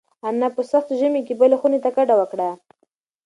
انا په سخت ژمي کې بلې خونې ته کډه وکړه.